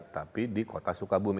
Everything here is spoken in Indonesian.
tapi di kota sukabumi